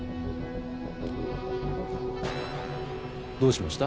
どうしました？